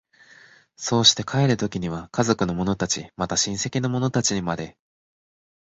そうして帰る時には家族の者たち、また親戚の者たちにまで、